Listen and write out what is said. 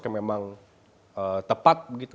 yang memang tepat